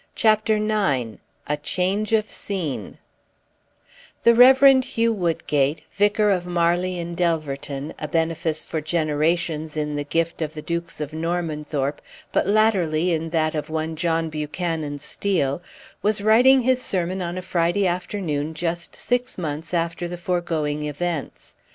CHAPTER IX A CHANGE OF SCENE The Reverend Hugh Woodgate, Vicar of Marley in Delverton a benefice for generations in the gift of the Dukes of Normanthorpe, but latterly in that of one John Buchanan Steel was writing his sermon on a Friday afternoon just six months after the foregoing events.